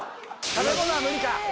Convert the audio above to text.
食べ物は無理か。